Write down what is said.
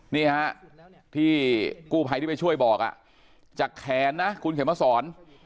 นี่ฮะที่กู้ภัยที่ไปช่วยบอกจากแขนนะคุณเขียนมาสอน